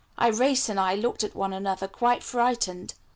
Irais and I looked at one another quite frightened.